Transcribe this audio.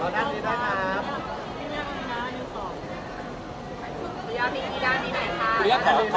สวัสดีครับ